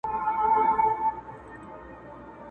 جهاني تا چي به یې شپې په کیسو سپینې کړلې،